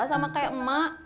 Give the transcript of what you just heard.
sama kayak emak